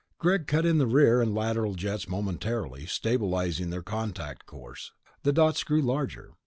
Greg cut in the rear and lateral jets momentarily, stabilizing their contact course; the dots grew larger.